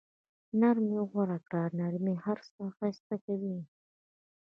نرمي غوره کړه، نرمي هر څه ښایسته کوي.